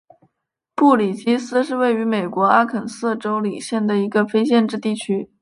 布里基斯是位于美国阿肯色州李县的一个非建制地区。